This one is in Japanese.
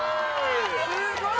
すごい！